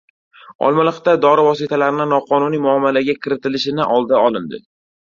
Olmaliqda dori vositalarini noqonuniy muomalaga kiritilishining oldi olindi